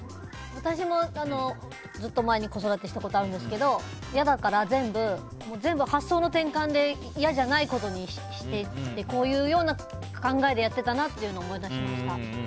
私もずっと前に子育てしたことあるんですけど嫌だから全部発想の転換で嫌じゃないことにしていってこういうような考えでやっていたのを思い出しました。